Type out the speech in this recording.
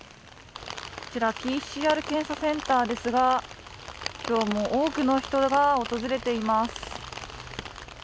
こちら、ＰＣＲ検査センターですが今日も多くの人が訪れています。